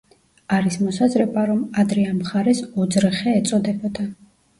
არის მოსაზრება, რომ ადრე ამ მხარეს ოძრხე ეწოდებოდა.